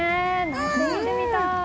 見てみたい！